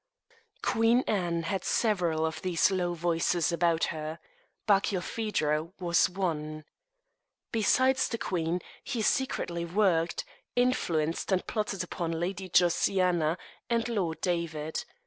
Queen Anne had several of these low voices about her. Barkilphedro was one. Besides the queen, he secretly worked, influenced, and plotted upon Lady Josiana and Lord David.